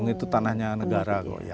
itu tanahnya negara